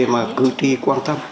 mà cử tri quan tâm